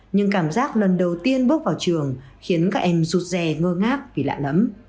nhưng cảm giác lần đầu tiên bước vào trường khiến các em rụt rè ngơ ngác vì lạ lẫm